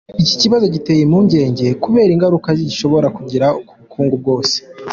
Iki kibazo giteye impungenge kubera ingaruka gishobora kugira ku bukungu bwose.